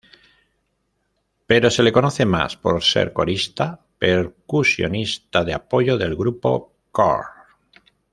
Pero se lo conoce más por ser corista, percusionista de apoyo del grupo Korn.